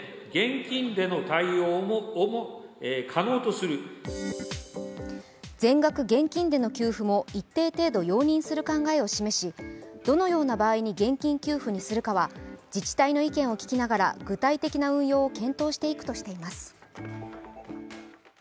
これに対し、岸田総理は全額現金での給付も一定程度容認する考えを示し、どのような場合に現金給付にするかは自治体の意見を聞きながら具体的な運用を検討していくとしています。